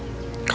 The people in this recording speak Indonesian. tak usah kak